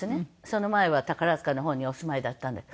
その前は宝塚の方にお住まいだったんで。